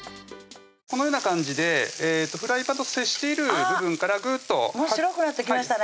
このような感じでフライパンと接している部分からグッともう白くなってきましたね